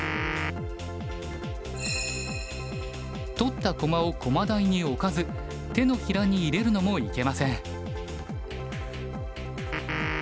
取った駒を駒台に置かず手のひらに入れるのもいけません。